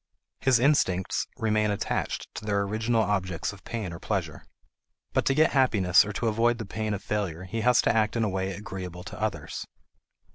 His instincts remain attached to their original objects of pain or pleasure. But to get happiness or to avoid the pain of failure he has to act in a way agreeable to others.